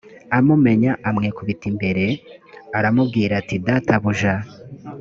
amumenya amwikubita imbere r aramubwira ati databuja